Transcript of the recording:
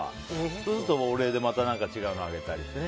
そうするとお礼でまた違うのあげたりしてね。